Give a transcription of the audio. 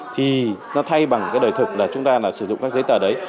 thì nó thay bằng đời thực là chúng ta sử dụng các giấy tờ đấy